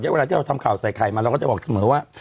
เวลาที่เราทำข่าวใส่ไข่มาเราก็จะบอกเสมอว่า